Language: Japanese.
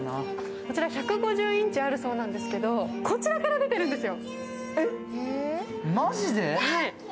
こちら１５０インチあるそうなんですけど、こちらから出てるんですよ。